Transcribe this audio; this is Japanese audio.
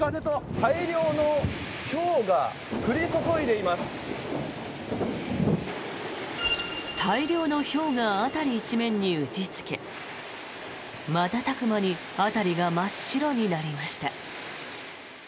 大量のひょうが辺り一面に打ちつけ瞬く間に辺りが真っ白になりました。